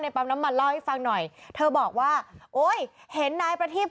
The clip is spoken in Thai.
ไม่เคยแต่มันต้องเหมือนกันจริงคุณกระจกอะ